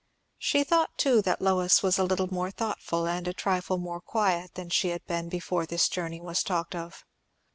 She thought too that Lois was a little more thoughtful and a trifle more quiet than she had been before this journey was talked of.